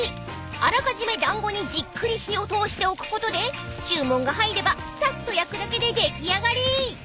［あらかじめ団子にじっくり火を通しておくことで注文が入ればさっと焼くだけで出来上がり］